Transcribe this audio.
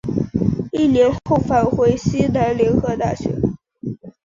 一年后返回西南联合大学。